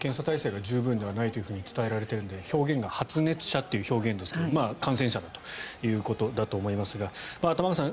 検査体制が十分ではないと伝えられているので表現が発熱者だという表現ですが感染者ということでしょうが玉川さん